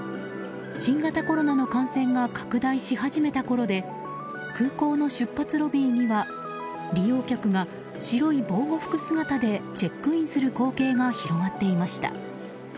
新型コロナの感染が拡大し始めたころで空港の出発ロビーには利用客が白い防護服姿でチェックインする光景が広がっていました。